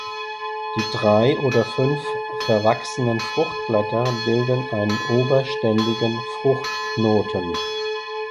Die drei oder fünf verwachsenen Fruchtblätter bilden einen oberständigen Fruchtknoten.